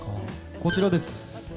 こちらです。